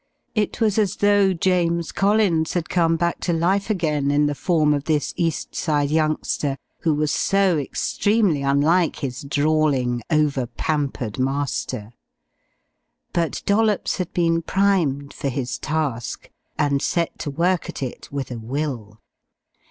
It was as though James Collins had come back to life again in the form of this East Side youngster, who was so extremely unlike his drawling, over pampered master. But Dollops had been primed for his task, and set to work at it with a will.